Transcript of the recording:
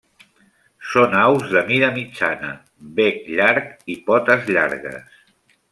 Són aus de mida mitjana, bec llarg i potes llargues.